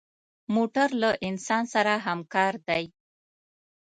موټر له انسان سره همکار دی.